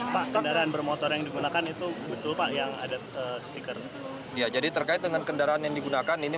pak kendaraan bermotor yang digunakan itu betul pak yang ada stiker ya jadi terkait dengan kendaraan yang digunakan ini